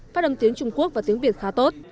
phát âm tiếng trung quốc và tiếng việt khá tốt